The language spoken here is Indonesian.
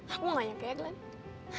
aku gak nyangka ya glenn